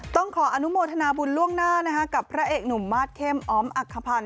ต้องขออนุโมทนาบุญล่วงหน้ากับพระเอกหนุ่มมาสเข้มออมอักขพันธ์